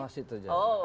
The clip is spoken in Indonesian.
iya masih terjadi